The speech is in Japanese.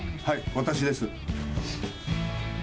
私です。